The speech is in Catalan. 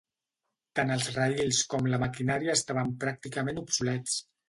Tant els raïls com la maquinària estaven pràcticament obsolets.